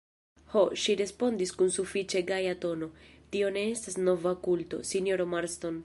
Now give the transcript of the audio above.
Ho, ŝi respondis kun sufiĉe gaja tono, tio ne estas nova kulto, sinjoro Marston.